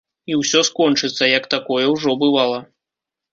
І ўсё скончыцца, як такое ўжо бывала.